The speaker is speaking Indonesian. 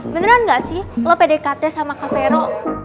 beneran gak sih lo pdkt sama kak vero